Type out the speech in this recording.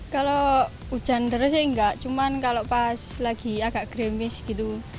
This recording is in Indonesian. kalau hujan deras sih enggak cuman kalau pas lagi agak grimis gitu